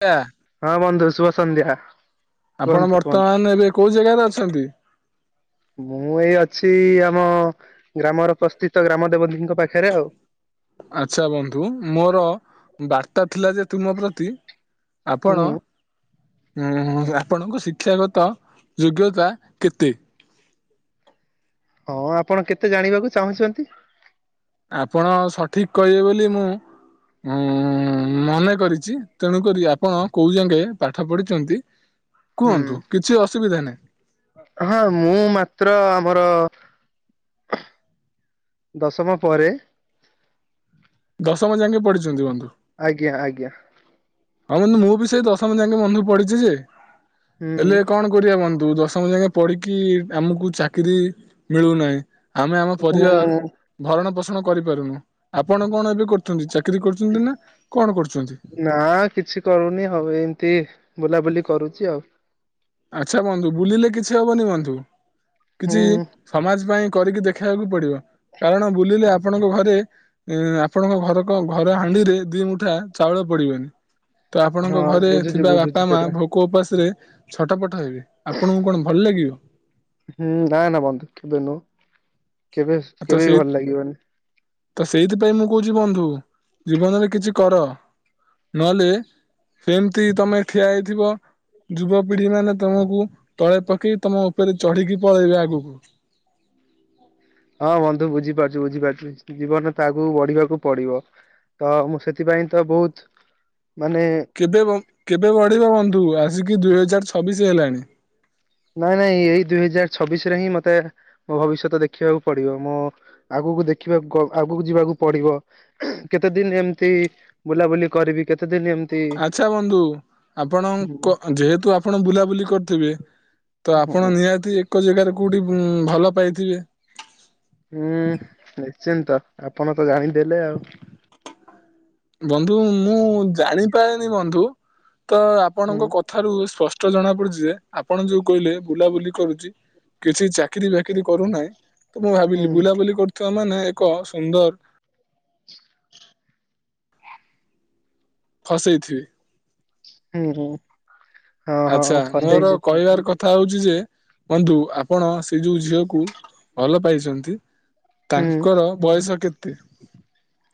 ଆପଣ ହଁ ବନ୍ଧୁ ଶୁଭ ସଂନ୍ଧ୍ୟା। ଆପଣ ବର୍ତ୍ତମାନ ଏବେ କୋଉ ଜାଗାରେ ଅଛନ୍ତି। ମୁଁ ଏଇ ଅଛି ଆମ ଗ୍ରାମର ପ୍ରସ୍ଥିତ ଗ୍ରାମ ଦେବତୀଙ୍କ ପାଖରେ ଆଉ ଆଚଛା ବନ୍ଧୁ ମୋର ବାର୍ତ୍ତା ଥିଲା ଯେ ତୁମ ପ୍ରତି ଆପଣ। ହୁଁ ହୁଁ ହୁଁ ଆପଣଙ୍କ ଶିକ୍ଷାଗତ ଯୋଗ୍ୟତା କେତେ? [inaudible] ହଁ ଆପଣ କେତେ ଜାଣିବାକୁ ଚାହୁଁଛନ୍ତି। ଆପଣ ସଠିକ କହିବେ ବୋଲି ମୁଁ ଉଁ ମନେ କରିଛି ତେଣୁକରି ଆପଣ କୋଉ ଯାଗେ ପାଠ ପଢିଛନ୍ତି। ହୁଁ କୁହନ୍ତୁ କିଛି ଅସୁବିଧା ନାହିଁ ହଁ ମୁଁ ମାତ୍ର ଆମର ଦଶମ ପରେ। ଦଶମ ଯାକେ ପଢିଛନ୍ତି ବନ୍ଧୁ। ଆଜ୍ଞା ଆଜ୍ଞା। ହଉ ବୁ ମୁଁ ବି ସେଇ ଦଶମ ଯାକେ ବନ୍ଧୁ ପଡିିଛି ଯେ ହୁଁ ହେଲେ କଣ କରିବା ବନ୍ଧୁ ସମୟ ଯକେ ପଢିକି ଆମକୁ ଚାକିରି ମିଳୁନାହିଁ। ଆମେ ଆମ ହୁଁ ପରିବାର ଭରଣ ପୋଷଣ କରିପାରୁନୁ ଆପଣ କଣ ଏବେ କରୁଛନ୍ତି ଚା ଚାକିରୀ କରୁଛନ୍ତି ନା କଣ କରୁଛନ୍ତି। ନା କିଛି କରୁନି ହଉ ଏମତି ବୁଲାବୁଲି କରୁଛି ଆଉ। ଆଚ୍ଛା ବନ୍ଧୁ ବୁଲିଲେ କିଛି ହବନି ବନ୍ଧୁ, ହୁଁ କିଛି ସମାଜ ପାଇଁ କରିକି ଦେଖେଇବାକୁ ପଡିବ କାରଣ ବୁଲିଲେ ଆପଣଙ୍କ ଘରେ ଆପଣଙ୍କ ଘର ଘର ହାଣ୍ଡିରେ ଦି ମୁଠା ଚାଉଳ ପଡିବନି ତ ଆପଣଙ୍କ ହଁ ଘରେ ବୁଝୁଛି ଥିବା ବାପା ବୁଝୁଛି ମା ସେଟା ଭୋକ ଉପାସରେ ଛଟ ପଟ ହେବେ, ଆପଣଙ୍କୁ କଣ ଭଲ ଲାଗିବ? ହୁଁ ନା ନା ବନ୍ଧୁ କେବେ ନୁହଁ କେବେ ତ କେବେ ବି ସେଇ ଭଲ ଲାଗିବନି ତ ସେଇଥିପାଇଁ ମୁଁ କହୁଛି ବନ୍ଧୁ ଜୀବନରେ କିଛି କର ନହେଲେ ସେମିତି ତମେ ଠିଆ ହେଇଥିବ ଯୁବ ପିଢି ମାନେ ତମକୁ ତଳେ ପକେଇ ତମ ଉପରେ ଚଢିକି ପଳେଇବେ ଆଗକୁ। [inaudible] ହଁ ବନ୍ଧୁ ବୁଝିପାରୁଛୁ ବୁଝିପାରୁଛୁ ଜୀବନରେ ତାକୁ ବଢିବାକୁ ପଡିବ ତ ମୁଁ ସେଥିପାଇଁ ତ ବହୁତ ମାନେ କେବେ କେବେ ବଢିବ ବନ୍ଧୁ ଆସିକି ଦୁଇ ହଜାର ଛବିଶ ହେଲାଣି। ନାଇଁ ନାଇଁ ଏଇ ଦୁଇ ହଜାର ଛବିଶ ରେ ହିଁ ମତେ ମୋ ଭବିଷ୍ୟତ ଦେଖିବାକୁ ପଡିବ ମୁଁ ଆ ଆଗକୁ ଦେଖିବାକୁ ଆଗକୁ ଯିବାକୁ ପଡିବ କେତେ ଦିନ ଏମତି ବୁଲାବୁଲି କରିବି କେତେ ଦିନ ଏମିତି ଆଛା ବନ୍ଧୁ ଆପଣ ହୁଁ ଯେହେତୁ ଆପଣ ବୁଲାବୁଲି କରିଥିବେ ତ ଆପଣ ହୁଁ ନିହାତି ଏକ ଜାଗାରେ କୋଉଠି ଉ ଭଲ ପାଇଥିବେ! ନିଶ୍ଚିନ୍ତ ଆପଣ ତ ଜାଣେ ବନ୍ଧୁ ମୁଁ ଜାଣିପାରେନି ବନ୍ଧୁ ତ ହୁଁ ଆପଣଙ୍କ କଥାରୁ ସ୍ପଷ୍ଟ ଜଣା ପଡୁଛି, ଯେ ଆପଣ ଯୋଉ କହିଲେ ବୁଲାବୁଲି କରୁଛି କିଛି ଚାକିରି ବାକିରି କରୁନାହିଁ ତ ମୁଁ ହୁଁ ଭାବିଲି ବୁଲାବୁଲି କରୁଥିବା ମାନେ ଏକ ସୁନ୍ଦର [inaudible] ଫସେଇଥିବେ। ହୁଁ ହୁଁ ହଁ ଆଛା ହଁ ମୋର ଫସେଇଛି କହିବାର କଥା ହଉଛି ଯେ ବନ୍ଧୁ ଆପଣ ସେଇ ଯୋଉ ଝିଅକୁ ଭଲ ପାଇଛନ୍ତି ହୁଁ ତାଙ୍କର ବୟସ କେତେ?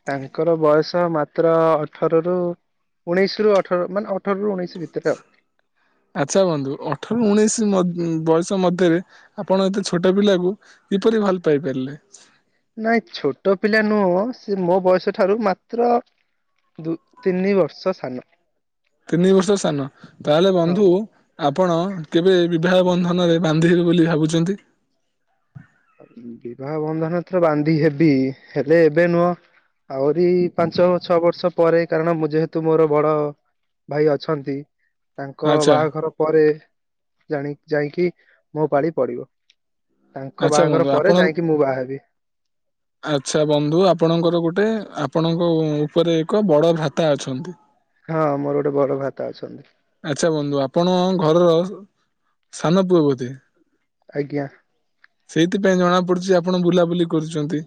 ତାଙ୍କର ବୟସ ମାତ୍ର ଅଠର ରୁ ଉଣେଇଶ ରୁ ଅଠର ମାନେ ଅଠର ରୁ ଉଣେଇଶି। ଆଛା ବନ୍ଧୁ ଅଠର ଉଣେଇଶ ବୟସ ମଧ୍ୟରେ ଆପଣ ଏତେ ଛୋଟ ପିଲାକୁ କିପରି ଭଲ ପାଇ ପାରିଲେ? ନାଇଁ ଛୋଟ ପିଲା ନୁହଁ ସେ ମୋ ବୟସ ଠାରୁ ମାତ୍ର ଦୁ ତିନି ବର୍ଷ ସାନ। ତିନି ବର୍ଷ ସାନ ତାହେଲେ ବନ୍ଧୁ ହଁ ଆପଣ କେବେ ବିବାହ ବନ୍ଧନରେ ବାନ୍ଧିବେ ବୋଲି ଭାବୁଛନ୍ତି? ବିବାହ ବନ୍ଧନ ତରେ ବାନ୍ଧି ହେବି ହେଲେ ଏବେ ନୁହଁ ଆହୁରି ପାଞ୍ଚ ଛଅ ବର୍ଷ ପରେ କାରଣ ମୁଁ ଯେହେତୁ ମୋର ବଡ ଭାଇ ଅଛନ୍ତି, ତାଙ୍କ ଆଚ୍ଛା ବାହାଘର ପରେ ଜାଣି ଯାଇକି ମୋ ପାଳି ପଡିବ ତାଙ୍କ ଆଚ୍ଛା ବାହାଘର ବନ୍ଧୁ ପରେ ଆପଣ ଯାଇକି ମୁଁ ବାହା ହେବି ଆଛା ବନ୍ଧୁ ଆପଣଙ୍କର ଗୋଟେ ଆପଣଙ୍କ ଉପରେ ଏକ ବଡ ଭ୍ରାତା ଅଛନ୍ତି। ହଁ ମୋର ଗୋଟେ ବଡ ଭ୍ରାତା ଅଛନ୍ତି। ଆଚ୍ଛା ବନ୍ଧୁ ଆପଣ ଘରର ସାନ ପୁଅ ବୋଧେ? ଆଜ୍ଞା। ସେଇଥିପାଇଁ ଜଣା ପଡୁଛି, ଆପଣ ବୁଲାବୁଲି କରୁଛନ୍ତି,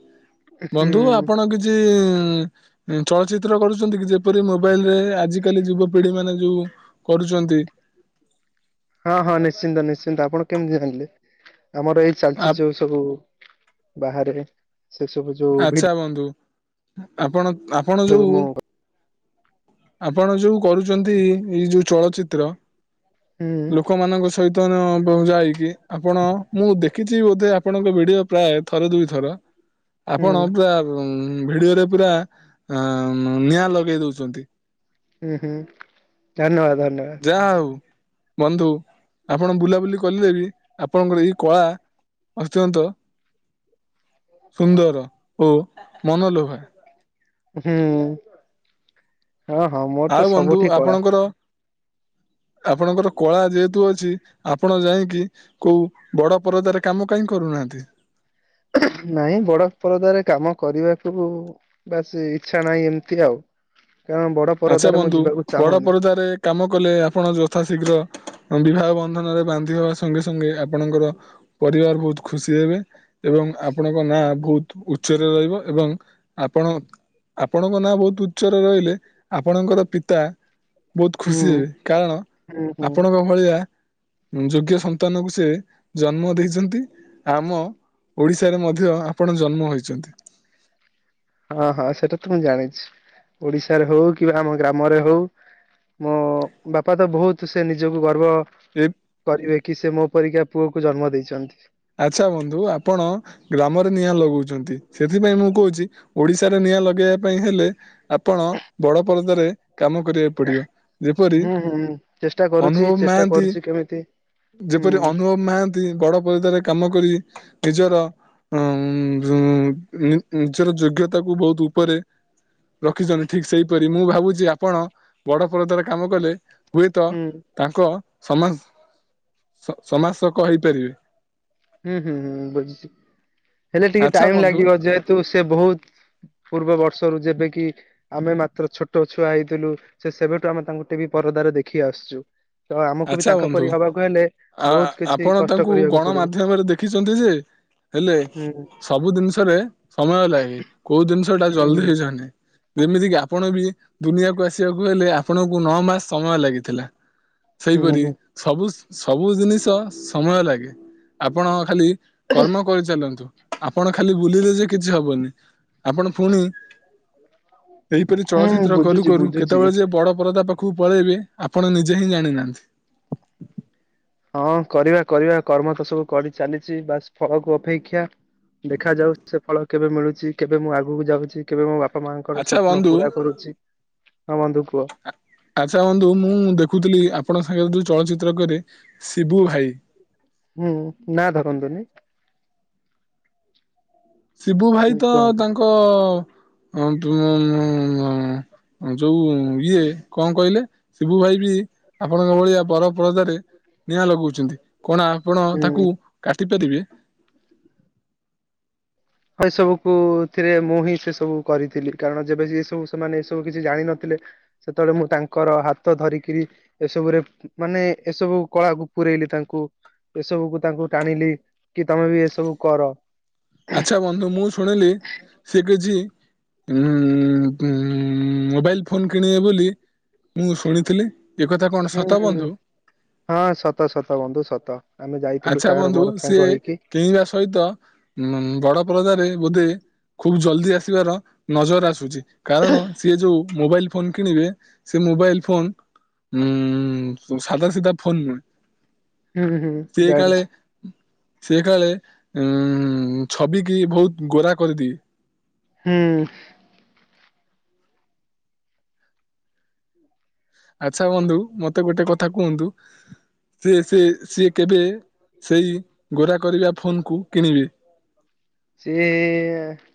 ହୁଁ ବନ୍ଧୁ ଆପଣ କିଛି ଉ ଚଳଚିତ୍ର କରୁଛନ୍ତି, କି ଯେପରି ମୋବାଇଲ ରେ ଆଜିିକାଲି ଯୁବପିଢି ମାନେ ଯୋଉ କରୁଛନ୍ତି। ହଁ ହଁ ନିଶ୍ଚିନ୍ତ ନିଶ୍ଚିନ୍ତ ଆପଣ କେମିତି ଜାଣିଲେ? ଆମର ଏଇ ଚାଲିଛି ଯୋଉ ସବୁ ବାହାରେ ସେ ସବୁ ଯୋଉ ଆଚ୍ଛା ଭିଡି ବନ୍ଧୁ ଆପଣ ଆପଣ ଯୋଉ ମୁଁ ଆପଣ ଯୋଉ କରୁଛନ୍ତି ଏଇ ଯୋଉ ଚଳଚିତ୍ର ହୁଁ। ଲୋକମାନଙ୍କ ସହିତ ଯାଇକି ଆପଣ ମୁଁ ଦେଖିଛି ବୋଧେ ଆପଣଙ୍କ ଭିଡିଓ ପ୍ରାୟ ଥର ଦୁଇଥର। ହୁଁ ଆପଣ ପୁରା ଭିଡିଓରେ ପୁରା ନିଆଁ ଲଗେଇ ଦଉଛନ୍ତି। ହୁଁ ହୁଁ ଧନ୍ୟବାଦ। ଧନ୍ୟବାଦ। ଯାହା ହଉ। ବନ୍ଧୁ ଆପଣ ବୁଲାବୁଲି କଲେ ବି ଆପଣଙ୍କର ଏଇ କଳା ଅତ୍ୟନ୍ତ ସୁନ୍ଦର ଓ ମନଲୋଭା। ହୁଁ ହଁ ହଁ ମୋର ଆଉ ତ ବନ୍ଧୁ ସବୁଠି କଳା। ଆପଣଙ୍କର ହଁ ଆପଣଙ୍କର କଳା ଯେହେତୁ ଅଛି ଆପଣ ଯାଇକି କୋଉ ବଡ ପରଦରେ କାମ କାହିଁ କରୁ କରନାନ୍ତି। [inaudible] ନାଇଁ ବଡ ପରଦାରେ କାମ କରିବାକୁ ବାସ ଇଚ୍ଛା ନାହିଁ ଏମିତି ଆଉ। ହଁ ଆଚ୍ଛା ବନ୍ଧୁ ବଡ ପରଦରେ କାମ କଲେ ଆପଣ ଯଥା ଶୀଘ୍ର ବିବାହ ବନ୍ଧନରେ ବାନ୍ଧି ହେବା ସଙ୍ଗେ ସଙ୍ଗେ ଆପଣଙ୍କର ପରିବାର ବହୁତ ଖୁସି ହେବେ ଏବଂ ଆପଣଙ୍କ ନାଁ ବହୁତ ଉଚ୍ଚରେ ରହିବ ଏବଂ ଆପଣ ଆପଣଙ୍କ ନାଁ ବହୁତ ଉଚ୍ଚରେ ରହିଲେ ଆପଣଙ୍କର ପିତା ବହୁତ ହୁଁ ଖୁସି ହେବେ କାରଣ ହୁଁ ହୁଁ ଆପଣଙ୍କ ଭଳିଆ ଯୋଗ୍ୟ ସନ୍ତାନକୁ ସେ ଜନ୍ମ ଦେଇଛନ୍ତି ଆମ ଓଡିଶାରେ ମଧ୍ୟ ଆପଣ ଜନ୍ମ ହୋଇଛନ୍ତି। [unintelligible] ହଁ ହଁ ସେଟା ତ ମୁଁ ଜାଣିଛି ଓଡିଶାରେ ହଉ କିବା ଆମ ଗ୍ରାମରେ ହଉ ମୋ ବାପା ତ ବହୁତ ସେ ନିଜକୁ ଗର୍ବ ଏ କରିବେ କି ସେ ମୋ ପରିକା ପୁଅକୁ ଜନ୍ମ ଦେଇଛନ୍ତି। ଆଚ୍ଛା ବନ୍ଧୁ ଆପଣ ଗ୍ରାମରେ ନିଆଁ ଲଗଉଛନ୍ତି। ସେଥିପାଇଁ ମୁଁ କହୁଛି ଓଡ଼ିଶାରେ ନିଆଁ ଲଗାଇବା ପାଇଁ ହେଲେ ଆପଣ ବଡ଼ ପରଦାରେ କାମ କରିବାକୁ ପଡିବ, ଯେପରି ହୁଁ ହୁଁ ଚେଷ୍ଟା କରୁଛି ଅନୁଭବ ଚେଷ୍ଟା ମହାନ୍ତି। କରୁଛି କେମିତି ହୁଁ ଯେପରି ଅନୁଭବ ମହାନ୍ତି, ବଡ ପରଦରେ କାମ କରି ନିଜର ଅମ ନିଜର ଯୋଗ୍ୟତାକୁୁ ବହୁତ ଉପରେ ରଖିଛନ୍ତି। ଠିକ ସେଇପରି ମୁଁ ଭାବୁଛି ଆପଣ ବଡ ପରଦାରେ କାମ କଲେ ହୁଏତ ହୁଁ ତାଙ୍କ ସମନ୍ ସମାସକ ହେଇପାରିବେ। ହୁଁ ହୁଁ ହୁଁ ବୁଝିଛି। ହେଲେ ଟିକେ ଆଚ୍ଛା ଟାଇମ ବନ୍ଧୁ ଲାଗିବ ଯେହେତୁ ସେ ବହୁତ ପୂର୍ବବର୍ତ୍ତ ବର୍ଷରୁ, ଯେବେ କିି ଆମେ ମାତ୍ର ଛୋଟ ଛୁଆ ହେଇଥିଲୁ। ସେ ସେବେଠୁ ଆମେ ତାଙ୍କୁ ଟିଭି ପରଦାରେ ଦେଖି ଆଉ ଆସ୍ଛୁ। ତ ଆମକୁ ବି ଆଚ୍ଛା ତାଙ୍କ ବନ୍ଧୁ ପରି ହବାକୁ ହେଲେ, ଆ ବହୁତ କିଛି ଆପଣ କଷ୍ଟ ତାଙ୍କୁ କରିବାକୁ ପଡିବ। ଗଣମାଧ୍ୟମରେ ଦେଖିଛନ୍ତି ଯେ ହେଲେ ହୁଁ ସବୁ ଜିନିଷରେ ସମୟ ଲାଗେ। କୋଉ ଜିନିଷ ଟା ଜଲଦି ହୁଁ ହେଇଯଏନି। ଯେମିତି, କିି ଆପଣ ବି ଦୁନିଆକୁ ଆସିବାକୁ ହେଲେ ଆପଣଙ୍କୁ ନଅ ମାସ ସମୟ ଲାଗିଥିଲା। ହୁଁ ସେଇପରି ହୁଁ ସବୁ ସବୁ ଜିନିଷ ସମୟ ଲାଗେ। ଆପଣ ଖାଲି କର୍ମ କରିଚାଲନ୍ତୁ। ଆପଣ ଖାଲି ବୁଲିଲେ ଯେ କିଛି ହବନି। ଆପଣ ପୁଣି ଏହି ପରି ହୁଁ ଚଳଚ୍ଚିତ୍ର କରୁ ବୁଝୁଛି କରୁ, ବୁଝୁଛି। କେତେବେଳେ ଯେ ବଡ଼ ପରଦା ପାଖକୁ ପଳେଇବେ, ଆପଣ ନିଜେ ହିଁ ଜାଣିନାହାନ୍ତି। ହଁ କରିବା କରିବା କର୍ମ ତ ସବୁ କରି ଚାଲିଛି ବାସ ଫଳକୁ ଅପେକ୍ଷା। ଦେଖା ଯାଉ ସେ ଫଳ କେବେ ମିଳୁଛି। କେବେ ମୁଁ ଆଗକୁ ଯାଉଛି। କେବେ ମୋ ବାପା ବାପା ମାଙ୍କର ସ୍ୱପ୍ନ ପୁରା କରୁଛି। ହଁ ବନ୍ଧୁ କୁହ ଆ-ଆଛା ବନ୍ଧୁ ମୁଁ ଦେଖୁଥିଲି ଆପଣ [unintelligible] ଚଳଚିତ୍ର କରେ ଶିବୁ ଭାଇ। ହୁଁ, ନା ଧରନ୍ତୁନି। ଶିବୁ ଭାଇ ହୁଁ ତ କୁହନ୍ତୁ ତାଙ୍କ ମ-ମ-ମ-ମ ଯୋଉ ଇଏ କଣ କହିଲେ? ଶିବୁ ଭାଇ ବି ଆପଣଙ୍କ ଭଳିଆ ବରପରଦାରେ ନିଆଁ ଲଗଉଛନ୍ତି। କଣ ଆପଣ ତାକୁ ହୁଁ। କାଟି ପାରିବେ? ହଁ ଏ ସବୁ କୁ ଥିରେ ମୁଁ ହିଁ ସେ ସବୁ କରିଥିଲି। କାରଣ ଯେବେ ଏ ସବୁ ସେମାନେ ଏ ସବୁ କିଛି ଜାଣିନଥିଲେ ସେତେବେଳେ ମୁଁ ତାଙ୍କର ହାତ ଧରିକିରି ଏସବୁରେ ମାନେ ଏସବୁ କଳାକୁ ତାଙ୍କୁ ଏସବୁକୁ ତାଙ୍କୁ ଟାଣିଲି କି ତମେ ବି ଏସବୁ କର। ଆଚ୍ଛା ବନ୍ଧୁ ମୁଁ ଶୁଣିଲି ସେ କିଛି ଉ [unintelligible] ମମ ମୋବାଇଲ ଫୋନ୍ କିଣିବେ ବୋଲି ମୁଁ ଶୁଣିଥିଲି। ଏ କଥା କଣ ହୁଁ ସତ ହୁଁ ବନ୍ଧୁ? ହଁ ସତ ସତ ବନ୍ଧୁ ସତ ଆମେ ଯାଇଥିଲୁ ଆଚ୍ଛା ତାର ବନ୍ଧୁ ମୋର ସାଙ୍ଗ ହେଇକି। ମ ବଡ ପଦରେ ବୋଧେ ଖୁବ ଜଲଦି ଆସିବାର ନଜର ଆସୁଛି। କାରଣ ସିଏ ଯୋଉ ମୋବାଇଲ ଫୋନ କିଣିବେ, ସେ ମୋବାଇଲ ଫୋନ ନ ସାଧା ସିଧା ଫୋନ ନୁହେଁ। ହୁଁ ହୁଁ ଯାଉଛି। ସେ କାଳେ ଉଁ ଛବି କିି ବହୁତ ଗୋରା କରିଦିଏ। ହୁଁ। ଆଚ୍ଛା ବନ୍ଧୁ ମତେ ଗୋଟେ କଥା କୁହନ୍ତୁ, ସେ ସେ ସିଏ କେବେ ସେଇ, ଗୋରା କରିବା ଫୋନକୁ କିଣିବେ? ସିଏ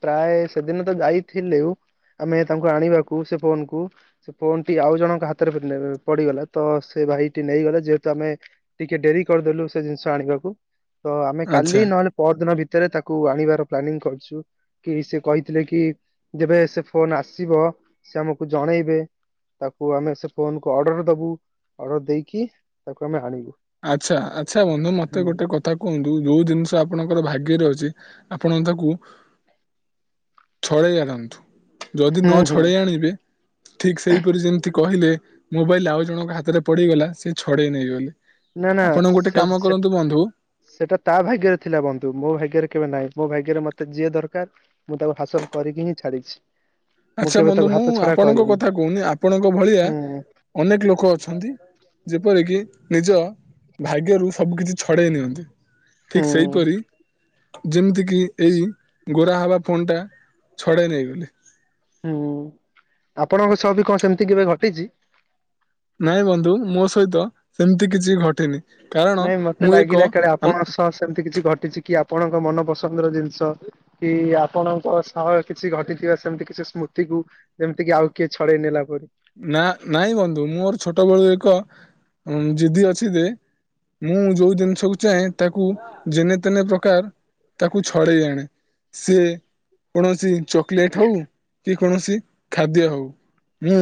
ପ୍ରାୟେ ସେଦିନ ତ ଯାଇଥିଲୁ ଆମେ ତାଙ୍କୁ ଆଣିବାକୁ ସେ ଫୋନକୁ। ସେ ଫୋନ ଟି ଆଉ ଜଣଙ୍କ ହାତରେ ପଡିଗଲା ତ ସେ ଭାଇଟି ନେଇଗଲା ଯେହେତୁ ଆମେ ଟିକେ ଡେରି କରିଦେଲୁ ସେ ଜିନିଷ। ଆଣିବାକୁ, ତ ଆମେ କାଲି ଆଚ୍ଛା ନହେଲେ ପର ଦିନ ଭିତରେ ତାକୁ ଆଣିବାର ପ୍ଲାନିଂ କଲୁ। କି, ସେ କହିଥିଲେ କି। ଯେବେ ସେ ଫୋନ ଆସିବ। ସେ ଆମକୁ ଜଣେଇବେ। ତାକୁ ଆମେ ସେ ଫୋନକୁୁ ଅର୍ଡର ଦବୁ। ଅର୍ଡର ଦେଇକି ତାକୁ ଆମେ ଆଣିବୁ। ଆଚ୍ଛା ଆଚ୍ଛା ବନ୍ଧୁ ହୁଁ ମତେ ଗୋଟେ କଥା କୁହନ୍ତୁ। ଯୋଉ ଜିନିଷ ଆପଣଙ୍କର ଭାଗ୍ୟରେ ଅଛି ଆପଣ ତାକୁ ଛଡେଇ ଆଣନ୍ତୁ। ଯଦି ନ ହୁଁ ଛଡେଇ ଆଣିବେ, ଠିକ ସେଇପରି ଯେମିତି କହିଲେ ମୋବାଇଲ୍ ଆଉ ଜଣଙ୍କ ହାତରେ ପଡିଗଲା। ସେ ଛଡେଇ ନେଇ ଗଲେ। ନା ନା ସେ ସେ ସେଟା ତା ଭାଗ୍ୟରେ ଥିଲା ବନ୍ଧୁ ମୋ ଭାଗ୍ୟରେ କେବେ ନାଇଁ ମୋ ଭାଗ୍ୟରେ ମତେ ଯିଏ ଦରକାର ମୁଁ ତାକୁ ହାସଲ କରିକି ହିଁ ଛାଡିଛି। ଆଚ୍ଛା କେବେ ବନ୍ଧୁ ତାକୁ ହାତ ମୁଁ ଛଡା ଆପଣଙ୍କ କରିନି କଥା କହୁନି ଆପଣଙ୍କ ଭଳିଆ ହୁଁ ଅନେକ ଲୋକ ଅଛନ୍ତି ଯେପରିକି ନିଜ ଭାଗ୍ୟରୁ ସବୁ କିିଛି ଛଡ଼େଇ ନିଅନ୍ତି ଠିକ୍ ହୁଁ ସେହିପରି ଯେମିତି କିି ଏଇ ଗୋରା ହବା ଫୋନ୍ ଟା ଛଡେଇ ନେଇଗଲେ। ହୁଁ ଆପଣଙ୍କ ସହ ବି କଣ ସେମିତି କେବେ ଘଟିଛି? ନାଇଁ ବନ୍ଧୁ ମୋ ସହିତ ସେମିତି କିଛି ଘଟନି। ନାଇଁ ମତେ ଲାଗିଲା କାଳେ ଆପଣଙ୍କ ସହ ସେମିତି କିଛି ଘ ଘଟିଛି କି ଆପଣଙ୍କ ମନପସନ୍ଦର ଜିନିଷ କି ଆପଣଙ୍କ ସହ କିଛି ଘଟିଥିବା ସେମତି କିଛି ସ୍ମୃତିକୁ ଯେମିତି କିି ଆଉ କିଏ ଛଡେଇ ନେଲା ପରେ। ନା ନାଇଁ ବନ୍ଧୁ ମୋର ଛୋଟବେଳୁ ଏକ ଜିଦି ଅଛି ଯେ ମୁଁ ଯୋଉ ଜିନିଷକୁ ଚାହେଁ ତାକୁ ଯେନେ ତେନେ ପ୍ରକାର ତାକୁ ଛଡେଇ ଆଣେ ସିଏ କୌଣସି ଚକଲେଟ ହଉ କି କୌଣସି ଖାଦ୍ୟ ହଉ ମୁଁ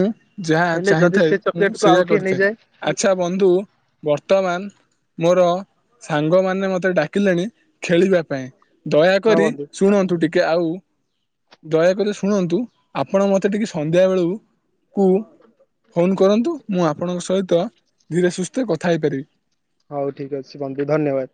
ଯାହା ହେଲେ ଯଦି ଚାହିଁଥାଏ ସେ ମୁଁ ଚକୋଲେଟ କୁ ଆଉ ସେଇୟା କିଏ କରିଥାଏ। ନେଇଯାଏ ଆଚ୍ଛା ବନ୍ଧୁ ବର୍ତ୍ତ ମାନ ମୋର ସାଙ୍ଗମାନେ ମୋତେ ଡାକିଲେଣି ଖେଳିବା ପାଇଁ। ହଁ ଦୟାକରି ବନ୍ଧୁ ଶୁଣନ୍ତୁ ଟିକେ ଆଉ ଦୟାକରି ଶୁଣନ୍ତୁ ଆପଣ ମତେ ଟିକେ ସନ୍ଧ୍ୟା ବେଳକୁ କୁ ଫୋନ୍ କରନ୍ତୁ ମୁଁ ଆପଣଙ୍କ ସହିତ ଧୀରେ ସୁସ୍ଥେ କଥା ହେଇପାରିବି। ହଉ ଠିକ ଅଛି ବନ୍ଧୁ। ଧନ୍ୟବାଦ।